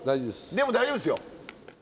でも大丈夫ですよ！